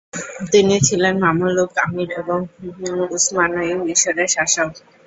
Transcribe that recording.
তিনি ছিলেন মামলুক আমির এবং উসমানয়ি মিশর এর শাসক।